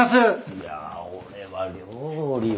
いやあ俺は料理は。